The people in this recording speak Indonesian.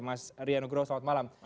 mas rian nugroho selamat malam